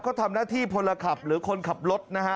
เขาทำหน้าที่พลขับหรือคนขับรถนะฮะ